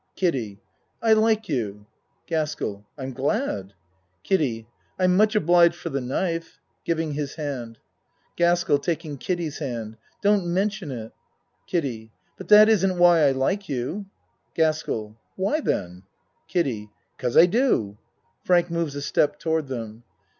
KIDDIE I like you. GASKELL I'm glad. KIDDIE I'm much obliged for the knife. (Giv ing his hand.) GASKELL (Taking Kiddie's hand.) Don't men tion it. KIDDIE But that isn't why I like you. GASKELL Why, then? KIDDIE Cause I do. (Frank moves a step toward them.)